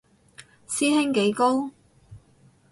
師兄幾高